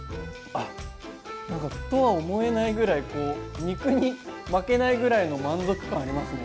何か麩とは思えないぐらい肉に負けないぐらいの満足感ありますね